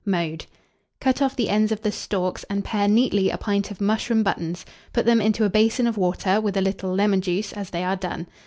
Mode. Cut off the ends of the stalks, and pare neatly a pint of mushroom buttons; put them into a basin of water, with a little lemon juice, as they are done.